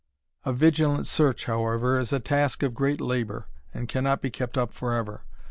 A vigilant search, however, is a task of great labour, and cannot be kept up for ever.